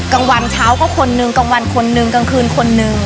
กลางวันเช้าก็คนนึงกลางวันคนนึงกลางคืนคนนึง